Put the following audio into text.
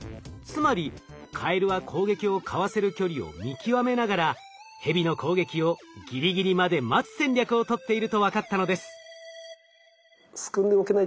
つまりカエルは攻撃をかわせる距離を見極めながらヘビの攻撃をギリギリまで待つ戦略をとっていると分かったのです。